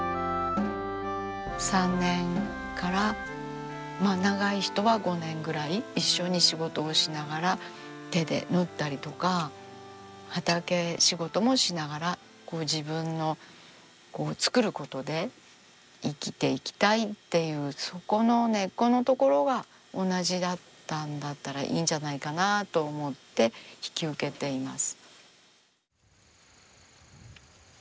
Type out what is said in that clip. ３年から長い人は５年ぐらい一緒に仕事をしながら手で縫ったりとか畑仕事もしながら自分の作ることで生きていきたいっていうそこの根っこのところが同じだったんだったらいいんじゃないかなと思って引き受けています。